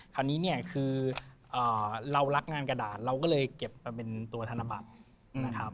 คราวนี้เนี่ยคือเรารักงานกระดาษเราก็เลยเก็บมาเป็นตัวธนบัตรนะครับ